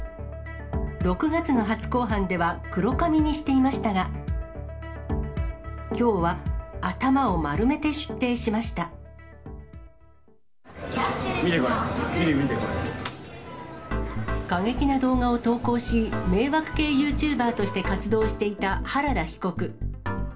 ６月の初公判では、黒髪にしていましたが、見てこれ、過激な動画を投稿し、迷惑系ユーチューバーとして活動していた原田被告。